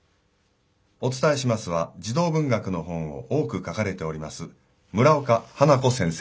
お伝えしますは児童文学の本を多く書かれております村岡花子先生です。